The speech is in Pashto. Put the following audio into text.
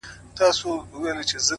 ما به له زړه درته ټپې په زړه کي وويلې’